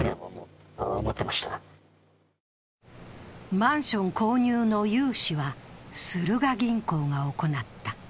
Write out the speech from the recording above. マンション購入の融資はスルガ銀行が行った。